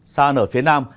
xa nở phía nam